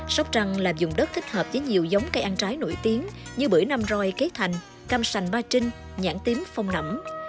sóc trăng là dùng đất thích hợp với nhiều giống cây ăn trái nổi tiếng như bưởi nam roi kế thành cam sành ba trinh nhãn tím phong nẵm